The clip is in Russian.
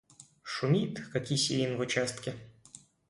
Шумит, как Есенин в участке.